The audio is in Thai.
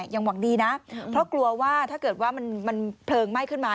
ยังหวังดีนะเพราะกลัวว่าถ้าเกิดว่ามันเพลิงไหม้ขึ้นมา